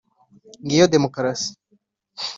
Ngiyo Democratie